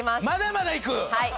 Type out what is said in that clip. まだまだいく？